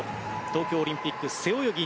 東京オリンピック背泳ぎ